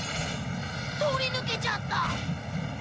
通り抜けちゃった。